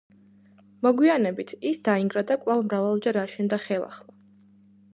მოგვიანებით, ის დაინგრა და კვლავ მრავალჯერ აშენდა ხელახლა.